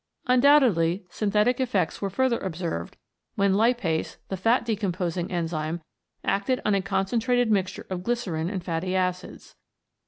Undoubtedly syn thetic effects were further observed, when lipase, the fat decomposing enzyme, acted on a con centrated mixture of glycerine and fatty acids.